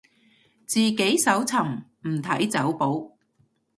自己搜尋，唔睇走寶